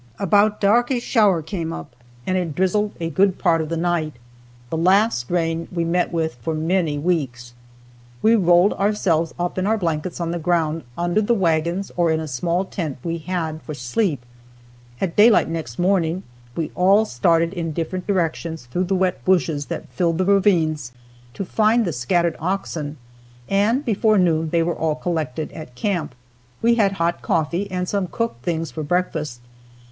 About dark a shower came up, and it drizzled a good part of the night the last rain we met with for many weeks. We rolled ourselves up in our blankets on the ground, under the wagons or in a small tent we had, for sleep. At daylight next morning we all started in different directions through the wet bushes that filled the ravines to find the scattered oxen, and before noon they were all collected at camp. We had hot coffee and some cooked things for breakfast.